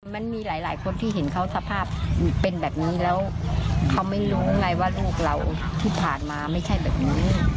มันมีหลายคนที่เห็นเขาสภาพเป็นแบบนี้แล้วเขาไม่รู้ไงว่าลูกเราที่ผ่านมาไม่ใช่แบบนี้